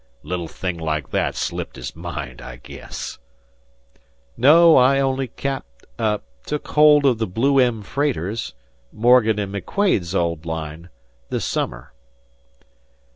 "'Little thing like that slipped his mind, I guess." "No, I only capt took hold of the 'Blue M.' freighters Morgan and McQuade's old line this summer."